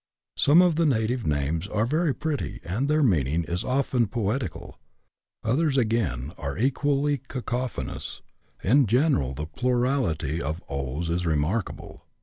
Some of the native names are very pretty, and their meaning is often poetical ; others, again, are equally cacophonous ; in general the plurality of o's is remarkable.